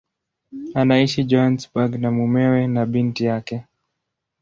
Anaishi Johannesburg na mumewe na binti yake.